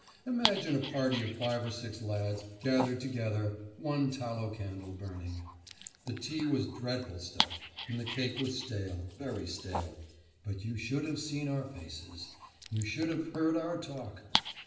Imagine a party of five or six lads gathered together, one tallow candle burning. The tea was dreadful stuff, and the cake was stale, very stale; but you should have seen our faces, you should have heard our talk!